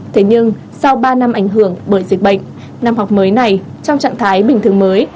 thế nhưng sau ba năm ảnh hưởng bởi dịch bệnh năm học mới này trong trạng thái bình thường mới